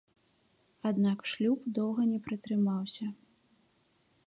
Аднак шлюб доўга не пратрымаўся.